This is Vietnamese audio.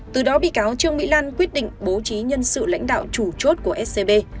từ đó bị cáo trương mỹ lan quyết định bố trí nhân sự lãnh đạo chủ chốt của scb